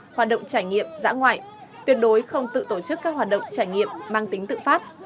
hoạt động trải nghiệm dã ngoại tuyệt đối không tự tổ chức các hoạt động trải nghiệm mang tính tự phát